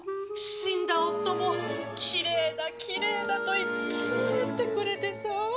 死んだ夫も「きれいだきれいだ」といつも言ってくれてさあ。